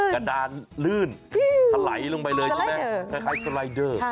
กระดานลื่นพลัยลงไปเลยใช่ไหมครับคล้ายเหมือนสไลเดอร์